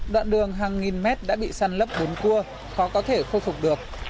đoạn đường hàng nghìn mét đã bị săn lấp bốn cua khó có thể khôi phục được